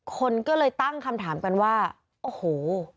คนก็เลยตั้งคำถามกันว่าโอ้โห